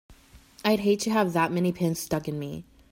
I'd hate to have that many pins stuck in me!